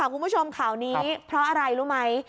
คุณผู้ชมข่าวนี้เพราะอะไรรู้ไหม